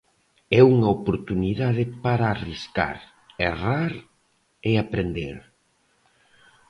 É unha oportunidade para arriscar, errar e aprender.